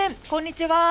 こんにちは。